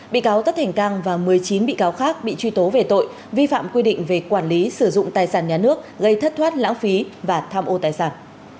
bị cáo tất thành cang và một mươi chín bị cáo khác bị truy tố về tội vi phạm quy định về quản lý sử dụng tài sản nhà nước gây thất thoát lãng phí và tham ô tài sản